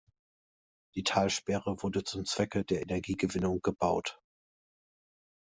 Die Talsperre wurde zum Zwecke der Energiegewinnung gebaut.